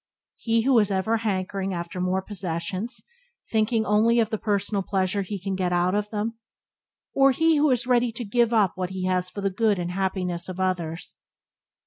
He who is ever hankering after more possessions, thinking only of the personal pleasure he can get out of them? or he who is ever ready to give up what he has for the good and happiness of others?